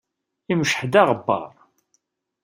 Imceḥ-d aɣebbar.